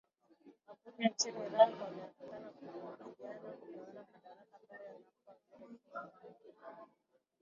wabunge nchini iraq wameonekana kukubaliana kugawana madaraka ambayo yanampa waziri mkuu nu